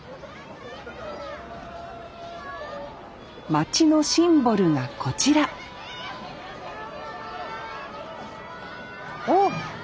町のシンボルがこちらおお！